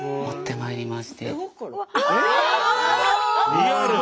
リアル！